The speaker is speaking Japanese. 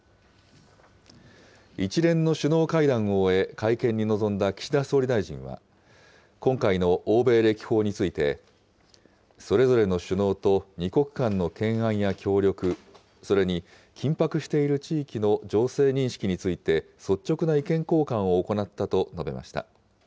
一連の首脳会談を終え、会見に臨んだ岸田総理大臣は、今回の欧米歴訪について、それぞれの首脳と２国間の懸案や協力、それに緊迫している地域の情勢認識について、率直な意見交換を行ったと述べました。